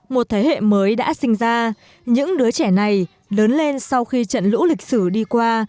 một thế hệ mới đã sinh ra những đứa trẻ này lớn lên sau khi trận lũ lịch sử đi qua